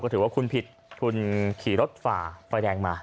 ถือว่าคุณผิดคุณขี่รถฝ่าไฟแดงมา